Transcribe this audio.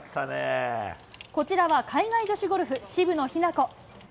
こちらは海外女子ゴルフ、渋野日向子。